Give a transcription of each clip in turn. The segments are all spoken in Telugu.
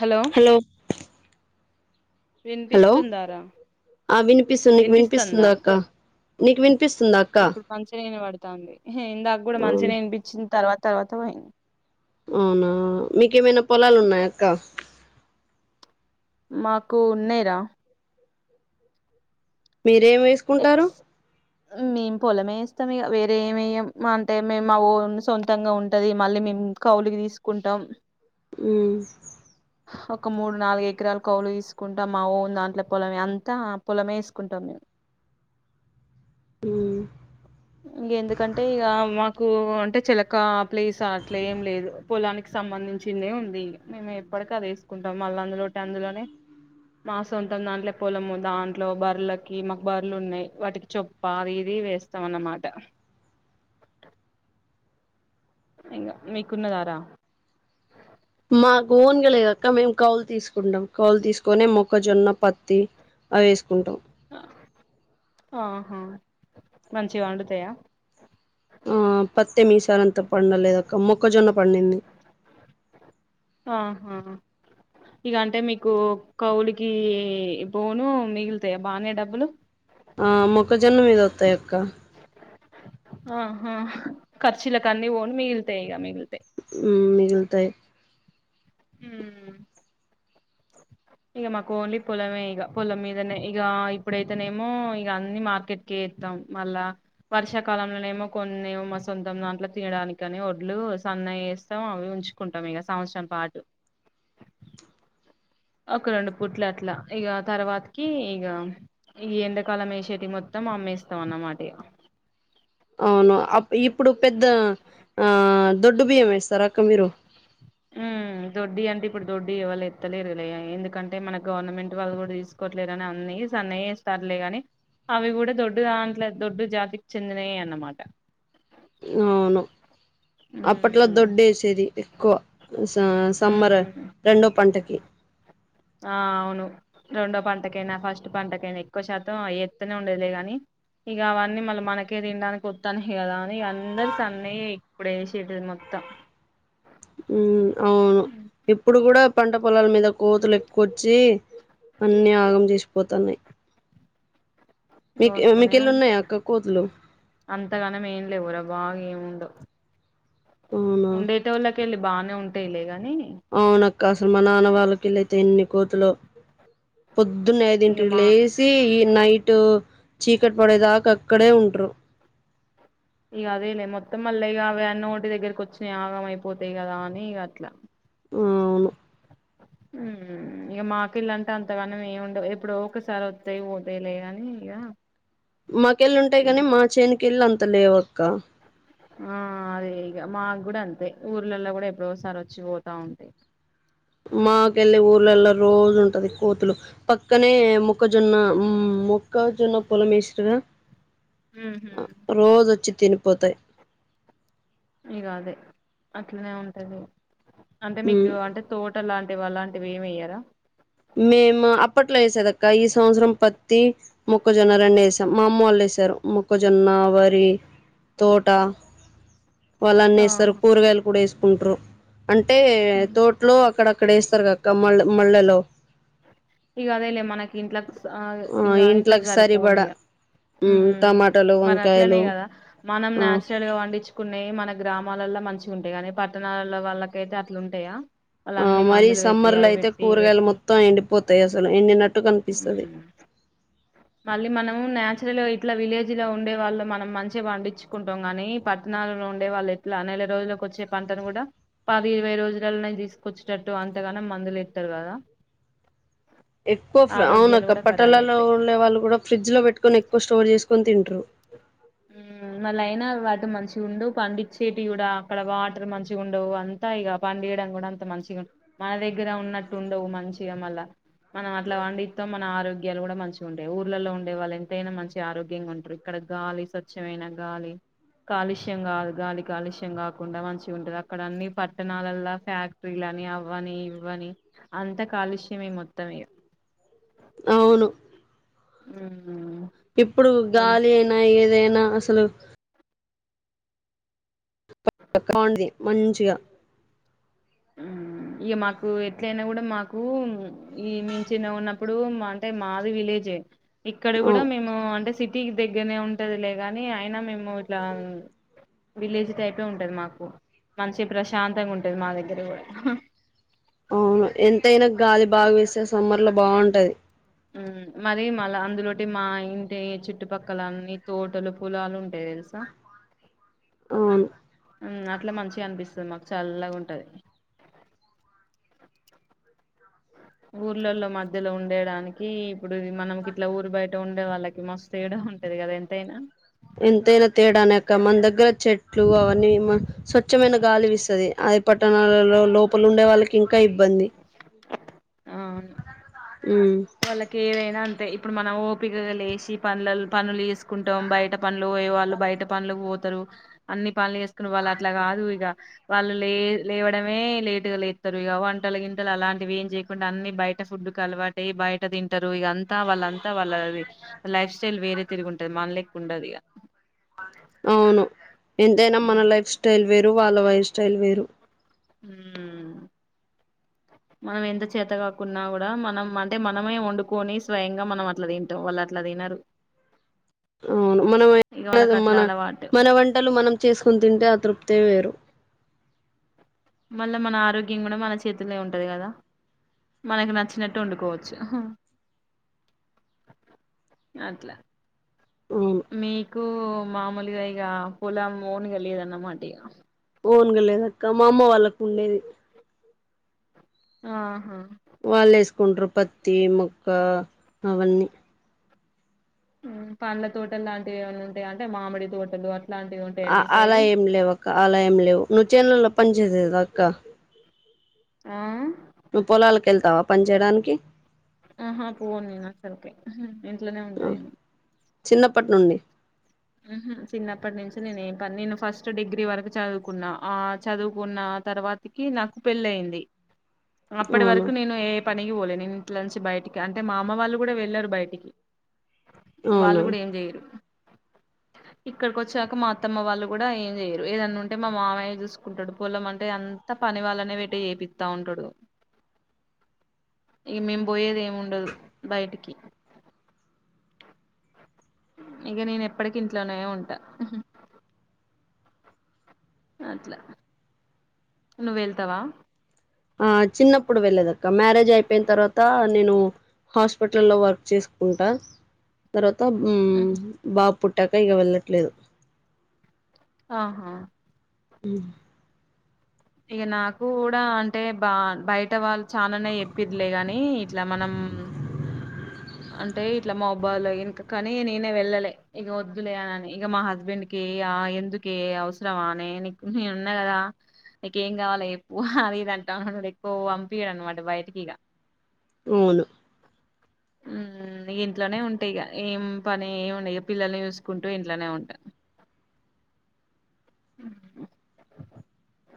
హలో మ్మ్ హలో వినిపిస్తుందారా ఆ వినిపిస్తుంది నీకు వినిపిస్తుందా అక్క నీకు వినిపి ఇప్పుడు మంచిగాన వీనపడుతూంది ఇందాక కూడా అవును మంచిగానే వినిపించింది తర్వాత తర్వాత పోయింది అవునా మీకేమైనా పొలాలు ఉన్నాయా అక్క మాకు ఉన్నాయిరా మీరేం వేసుకుంటారు మేము పొలమే వేస్తాం ఇగా వేరే ఏం వేయం అంటే మేము మా ఓ సొంతంగా ఉంటది మళ్ళీ మేము కౌవులకి తీసుకుంటాం మ్మ్ ఒక మూడు నాలుగు ఎకరాలు కౌవులు తీసుకుంటాం మా ఓన్ దాంట్లో పొలమే అంతా ఆ పొలమే వేసుకుంటాం మేము మ్మ్ కు అంటే చిలకా ప్లేస్ అట్లా ఏం లేదు పొలానికి సంబంధించిందే ఉంది మేము ఎ పడక తీసుకుంటాం మళ్ళా అందులోటె అందులోనే మాస ఉంతాం దాంట్లో పొలము దాంట్లో బర్రలకి మాకు బర్రలు ఉన్నాయి వాటికి చొప్ప అవి ఇవి వేస్త స్తం అన్నమాట ఇంకా మీకున్నదారా మాకు ఓన్ గా లేదక మేము కౌవులు తీసుకుంటాం కౌలు తీసుకొనే మొక్కజొన్న పత్తి అవి వేసుకుంటాం ఆహా మంచిగా వండుతాయా ఆ పత్తి మీసారంత పండలేద అక్క మొక్కజొన్న పండింది ఆహా ఇక అంటే మీకు కౌలికి బోను మిగిలుతాయా బానే డబ్బులు ఆ మొక్కజొన్న మీద వత్తాయి అక్క ఆహా ఖర్చీలకి అని వోను మిగిల్తే ఈక మిగిల్తే మ్మ్ మిగులుతాయి మ్మ్ ఇక మాకు ఓన్లీ పొలమే ఇక పొలం మీదనే ఇక ఇప్పుడైతేనేమో ఇక అన్ని మార్కెట్ కే స్తాం మళ్ళా వర్షాకాలంలోనేమో కొన్నిమో సొంతం దాంట్లో తినడానికిని వడ్లు వ సన్న చేస్తాం అవి ఉంచుకుంటాం ఇక సంవత్సరం పాటు ఒక రెండు పుట్లు అట్లా ఇక తర్వాతకి ఇక ఈ ఎండాకాలం వేసేటి మొత్తం మామ్మేస్తాం అన్నమాట ఇగ అవును అ ఇప్పుడు పెద్ద ఆ దొడ్డు బియ్యం వేస్తారు అక్క మీరు ఉమ్, దొడ్డి అంటే ఇప్పుడు దొడ్డి ఎవళు ఎత్తలేరు లే ఎందుకంటే మన గవర్నమెంట్ వాళ్ళు కూడా తీసుకోవాట్లేదు అని అన్ని సన్నయి వేస్తారు లే కానీ అవి కూడా దొడ్డు దాంట్లో దొడ్డు జాతికి చెందినయి అన్నమాట అవును అప్పట్లో ఉమ్, దొడ్డు వేసేది ఎక్కువ స సమ్మర్ ఉమ్ రెండో పంటకి ఆ అవును రెండో పంటకైనా ఫస్ట్ పంటకైనా ఎక్కువ శాతం ఎత్తనే ఉండేలే కానీ ఇక అవన్నీ మళ్ళీ మనకే తినడానికి వత్తానాయి కదా అందరు సన్నయ ఇప్పుడే షెటిల్ మొత్తం మ్మ్ అవును ఇప్పుడు కూడా పంట పొలాల మీద కోతులు ఎక్కు వొచ్చి అన్ని ఆగం చేసిపోతున్నాయి మీక్ వస్తనే మీకెళ్ళి ఉన్నాయా ఉంటాయ్ అక్క కోతులు అంతగానం ఏం లేవుర బాగా ఏమి ఉండవు అవునా ఉండేటోళ్ళకేలె బానే ఉంటాయిలే గాని కసలు మా నాన్న వాళ్ళకిళ్ళైతే ఎన్ని కోతులో పొద్దున్నే ఇక ఐదింటికి మా లేసి ఈ నైటూ చీకటి పడే దాకా అక్కడే ఉంట్రు ఇక అదేలే మొత్తం మళ్ళ ఇగ అవన్నీ ఓటే దగ్గరకి వచ్చిన ఆగంమయిపోతాయి గదా అని ఇగ అట్ల అవును ఇక మాకిల్లంటే అంతవన మేమి ఉండవు ఎప్పుడు ఒకసారి వత్తాయ్ పోతాయ్ లే గాని ఇగ మాకెళ్ళ ఉంటాయ్ గనీ మా చేనకెళ్ళ అంత లేవు ఆ అదే ఇగ మా మాగ్గుడ అంతే ఊర్లలో గుడా ఎప్పుడోసారి వచ్చి పోతా ఉంటాయ్ మాకెళ్ళే ఊర్లల్లో రోజు ఉంటది కోతులు పక్కనే ము ముక్కజొన్న మొక్కజొన్న పొలమేస్రిగా ఉహు రోజు వొచ్చి తినిపోతాయ్ ఇగ అదే అట్లనే ఉంటది అంటే మీకు అంటే తోట లాంటివి అలాంటివి ఏమిఎయ్యరా మేము అప్పట్లో ఎసేదక్క ఈ సంవత్సరం పత్తి మొక్కజొన్న రెండు వేసాం మా అమ్మొళ్ళు వేసారు మొక్కజొన్న వరి తోట వాళ్ళు అన్ని ఏస్తారు ఆహా కూరగాయలు కూడా ఎసుకుంట్రు అంటే ఉమ్ తోట్లో అక్కడ అక్కడ ఏస్తారు కక్క మళ్ళ మళ్ళలో ఇగ అదేలే మనకి ఇంట్లకి సా ఇగ ఇంట్లకి ఇంట్లోకి సారిపోను సరిపడా ఇగ ఊమ్ టమాటాలు మరి అట్లనే వంకాయలు గదా మనం నాచురల్ గా పండించుకున్నే మన గ్రామాలల్లో మంచిగుంటాయి గానీ పట్టణాల వాళ్ళకైతే అట్లుంటాయా వాళ్ళు ఆ అన్ని మరి ఈ మందులు పెట్టి సమ్మర్ లో అవి అయితే పెట్టి ఇవి కూరగాయలు పెట్టి మొత్తం ఎండి పొతాయ్ అసలు ఎండి నట్టు కనిపిస్తది ఉమ్ మళ్ళీ మనము న్యాచురల్ ఇట్లా విలేజ్ లో ఉండే వాళ్ళు మనం మంచిగా పండించుకుంటాం గాని పట్టణాలలో ఉండే వాళ్ళు ఎట్లా నె నెల రోజులకొచ్చే పంటను గుడా పది ఇరవై రోజులనే దీసుకొచ్చేటట్టు అంతగాను మందులు ఇత్తారు గదా ఎక్కువ అవున అక్క కూడా ఖరాబ్ పట్టాలలో అయితాయి ఉండే వాళ్ళు కూడా ఫ్రిడ్జ్ లో పెట్టుకొని ఎక్ క్కువ స్టోర్ జేసుకొని తింట్రు ఉమ్ మళ్ల ఐనా వాటి మంచిగుండవ్ పండిచ్చేటివి గుడా అక్కడ వాటర్ మంచిగుండవు అంతా ఇగ పండియడం గుడా అంత మంచిగా మన దగ్గర ఉన్నట్టు ఉండవు మంచిగా మళ్ళా మనం అట్లా వండిత్తాం మన ఆరోగ్యాలు గుడా మంచిగా ఉంటాయ్ ఊర్లలో ఉండే వాళ్ళ ఎంతైనా మంచి ఆరోగ్యంగా ఉంటారు ఇక్కడ గాలి స్వచ్చమైన గాలి కాలుష్యం గాదు గాలి కాలుష్యం గా కుండా మంచిగుంటది అక్కడ అన్ని పట్టణాలలా ఫ్యాక్టరీలు అని అవ్వని ఇవ్వని అంతా కాలుష్యమే మొత్తమిగ అవును మ్మ్ ఇప్పుడు గాలి అయినా ఏదైనా అసలు [unintelligible] మంచిగా ఇక మాకు ఎట్లయినా గుడా మాకు ఈ మేమ్ చిన్నగున్నప్పుడు అంటే మాది విలే జే ఇక్కడ అవు గుడా మేము అంటే సి టీకి దగ్గరనే ఉంటదిలేగాని అయినా మేము ఇట్లా విలేజ్ టైపే ఉంటది మాకు మంచి ప్రశాంతంగా ఉంటుది మా దగ్గరి కూడా అవును ఎంతైనా గాలి బాగ వీస్తే సమ్మర్ లో బాంటది ఉమ్ మరి మళ్ళ అందులోటి మా ఇంటి చుట్టుపక్కలన్నీ తోటలు పొలాలు ఉంట తెల్సా అవును ఉంగ్ అట్లా మంచిగా అనిపిస్తుంది మాకు చల్లగా ఉంటది ఊర్లలో మధ్యలో ఉండేడానికి ఇప్పుడిది మనమ్ కిట్లా ఊరు బయట ఉండే వాళ్ళకి మస్తు తేడా ఉంటది కదా ఎంతైనా ఎంతైనా తేడానే అక్క మన దగ్గర చెట్లు అవన్నీ స్వచ్ఛమైన గాలి వీస్తది హై పట్టణాలలో లోపల ఉండే వాళ్ళకి ఇంకా ఇబ్బంది అవును హ్మ్. వాళ్ళకి ఏవైనా అంతే ఇప్పుడు మనం ఓపికగా లేచి పనళ్ళ్ పనులు చేసుకుంటాం బయట పనులు పోయే వాళ్ళు బయట పనులకు పో తరు అన్ని పనులు చేసుకుని వాళ్ళు అట్లా కాదు ఇక వాళ్ళు లే లేవడమే లేటుగా లే వంటల గింటలు అలాంటివి ఏం చేయకుండా అన్నీ బయట ఫుడ్కు అలవాటయి బయట ఉంట దింటరు ఇదంతా వాళ్ళంతా వాళ్ళది లైఫ్ స్టైల్ వేరే తిరుగుంటది మనలేక ఉండదు ఇగ అవును ఎంతైనా మన లైఫ్ స్టైల్ వేరు వాళ్ళ లైఫ్ స్టైల్ వేరు హ్మ్ మనం ఎంత చేత కాకున్నా కూడా మనం అంటే మనమే వండుకొని స్వయంగా మనం అట్లా తింటాం వాళ్ళ అట్లా తినరు అవును ఇక మనం వాళ్ళకి అట్లా మన అలవాటు మన వంటలు మనం చేసుకుని తింటే ఆ తృప్తే వేరు మళ్ళా మన ఆరోగ్యం కూడా మన చేతుల్లే ఉంటది కదా మనకు నచ్చినట్టు వండుకోవచ్చు అట్లా అవును మీకు మామూలుగా ఇగ పొలం ఓన్గా లేదన్నమాట ఇగ ఓన్గా లేదక్క మా అమ్మ వాళ్ళకి ఉండేది ఆహా ఒండ్ర పత్తి మొక్క అవన్నీ పండ్ల తోటలు లాంటివి ఏమన్నా ఉంటాయా అంటే మామిడి తోటలు అ అలా ఏం లేవు అక్క అలా ఏం లేవు నువ్వు చేల్లల్లో పని చేసేద అక్క ఆ నువ్వు పొలాలకు యెళ్తావా పని చేయడానికి ఆహా పోను నేను ఆకడికి ఇంట్లోనే ఉంటా ఆ, నేను చిన్నప్పటి నుండి ఊహు చిన్నప్పటి నుంచి నేను ఏ పనీ నేను ఫస్ట్ డిగ్రీ వరకు చదువుకున్నా ఆ చదువుకున్న ఆ తర్వాతకి నాకు పెళ్ళయింది అప్పటి అవునా వరకు నేను పనికి పోలే నేను ఇంట్లో నుంచి బయటికి అంటే మా అమ్మ వాళ్ళు కూడా వెళ్ళారు బయటికి వాళ్ళు అవునా కూడా ఏం చెయరు ఇక్కడికి వచ్చాక మా అత్తమ్మ వాళ్ళు కూడా ఏం చేయరు ఏదన్న ఉంటే మా మామయ్యే చూసుకుంటాడు పొలం అంటే అంత పని వాళ్ళనే పెట్టి చేపిత్తా ఉంటడు ఇగ మేం పోయేదేం ఉండదు బయటికి ఇగ నేను ఎప్పటికి ఇంట్లోనే ఉంటా అట్లా నువ్వెళ్తావా ఆ చిన్నప్పుడు వెళ్లేదక్క మ్యారేజ్ అయిపోయిన తర్వాత నేను హాస్పిటల్లో వర్క్ చేసుకుంటా తర్వాత ఉహు. బాబు పుట్టాక ఇక వెళ్ళట్లేదు ఆహా ఉ ఇగ నాకు కూడా అంటే బా బయట వాళ్ళు చాననే చెప్పిర్లే గాని ఇట్లా మనం అంటే ఇట్లా మాబాద్ లో ఇంక కానీ నేనే వెళ్ళలే ఇక వద్దులే అనని ఇక మా హస్బెండ్ కి ఏ ఆ ఎందుకే అవసరమానే నీక్ నేను ఉన్నా కదా నీకు ఏం కావాల చెప్పు అది ఇది అంటాడు ఎక్కువ పంపియడు అనమాట బయటకి ఇక అవును ఉమ్, ఇంట్లోనే ఉంటా ఇగ ఏం పని ఏమి ఉండే ఇక పిల్లల్ని చూసుకుంటూ ఇంట్లోనే ఉంటా ఉహ్మ్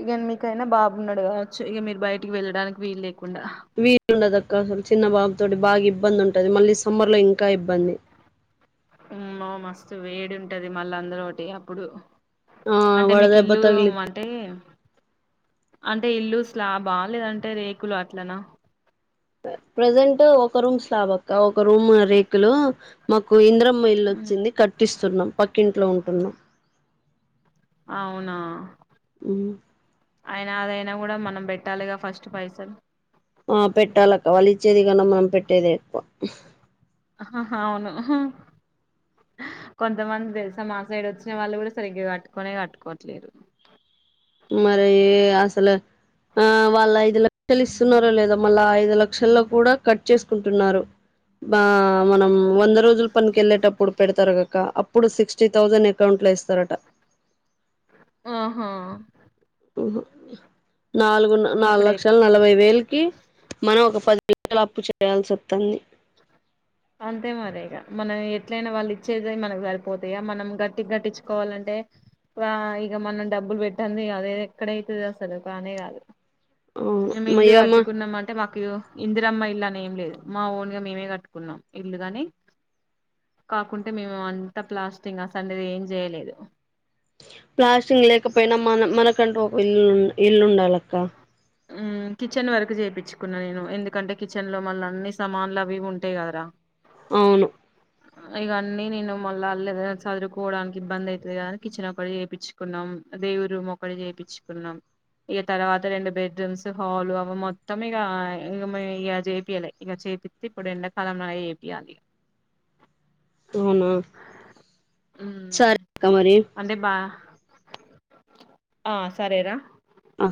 ఇగెన్ మీకైనా బాబున్నాడు కావచ్చు ఇగ మీరు బయటికి వెళ్ళడానికి వీల్ లేకుండా వీల్ ఉండదక్క అసలు చిన్న బాబు తోటి బాగా ఇబ్బంది ఉంటది మళ్ళీ సమ్మర్ లో ఇంకా ఇబ్బంది ఉమ్మో మస్తు వేడింటది మళ్ళా అందులోటి అప్పుడు ఆ అంటే మీకు వడదెబ్బ ఇల్లు తగిలి అంటే అంటే ఇల్లు స్లాబా లేదంటే రేకులు అట్లనా ప్రజెంట్ ఒక రూమ్ స్లాబక్క ఒక రూమ్ రేకులు మాకు ఇంద్రం మ్మ ఇళ్ళొచ్చింది కట్టిస్తున్నాం పక్కింట్లో ఉంటున్నాం అవునా హ్మ్. అయినా అదైనా కూడా మనం పెట్టాలిగా ఫస్ట్ పైసలు ఆ పెట్టాలక్క వాళ్ళు ఇచ్చేది కన్నా మనం పెట్టేదే ఎక్కువ ఆహా హ అవును ఉహ్ కొంతమంది తెలుసా మా సైడ్ వచ్చిన వాళ్ళు కూడా సరిగ్గా కట్టుకోనే కట్టుకోవట్లేరు మరి ఏ అసల ఆ వాళ్ళు ఐదు లక్షలు ఇస్తున్నారో లేదో మళ్ళా ఐదు లక్షల్లో కూడా కట్ చేసుకుంటున్నారు బా మనం వంద రోజులు పనికి వెళ్ళేటప్పుడు పెడతారు కాక్క అప్ ప్పుడు సిక్స్టీ థౌజండ్ అకౌంట్లో ఏస్తారట ఆహా ఉహ్ నాలుగు నాలుగు ఇప్పుడే లక్షల నలభై వేలకి మనం ఒక పది అప్పు చేయాల్సి అత్తంది అంతే మరే ఇగ మనం ఎట్లయినా వాళ్ళు ఇచ్చేదే మనకు సరిపోతాయా మనం గట్టిగా గట్టిచ్చుకోవాలంటే ఎ వా ఇగ మనం డబ్బులు పెట్టంది కాదు ఎక్కడైతది అసదు కానే కాదు మేము ఇల్లు అయ్యమ్మా కట్టుకున్నామ అంటే మాకు ఇందిరమ్మ ఇల్లు అని ఏం లేదు మా ఓన్గా మేమే కట్టుకున్నాం ఇల్లు గని కాకుంటే మేము అంతా ప్లాస్టింగ్ ఆ సండేది ఏం చేయలేదు ప్లాస్టింగ్ లేకపోయినా మన మనకంటూ ఒక ఇల్లు ఇల్లు ఉండాలక్క హ్మ్ కిచెన్ వరకు చేపించుకున్నా నేను ఎందుకంటే కిచెన్ లో మళ్ళ అన్ని సమాన్లు అవి ఉంటాయి కదా రా అవును ఇగా అన్నీ నేను మళ్ళ ఎదైనా సదురుకోవడానికి ఇబ్బంది అయితది కదాని కిచెన్ ఒకటి చేపించుకున్నాం దేవురుము ఒకటి చేపిచుకున్నాం ఇగ తర్వాత రెండు బెడ్ రూమ్స్ హాలు అవి మొత్తం ఇగ ఇ చేపియాలి ఇక చేపిత్తే ఇప్పుడు ఎండకాలం అయి చేపియాలి అవునా సరే హ్మ్ అక్క మరి అంటే బా ఆ సరేరా ఆ